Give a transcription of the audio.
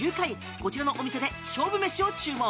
こちらのお店で勝負飯を注文。